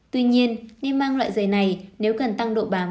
tuy nhiên nên mang loại giấy này nếu cần tăng độ bám